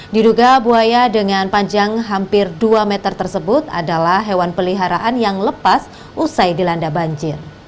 diduga buaya dengan panjang hampir dua meter tersebut adalah hewan peliharaan yang lepas usai dilanda banjir